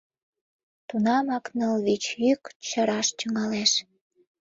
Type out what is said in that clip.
Тунамак ныл-вич йӱк чараш тӱҥалеш: